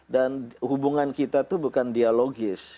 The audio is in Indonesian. dan hubungan kita itu bukan dialogis